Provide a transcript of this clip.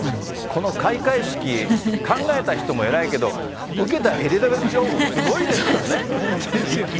この開会式、考えた人も偉いけど、受けたエリザベス女王もすごいですよね。